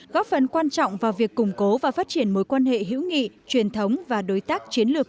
góp phần quan trọng vào việc củng cố và phát triển mối quan hệ hữu nghị truyền thống và đối tác chiến lược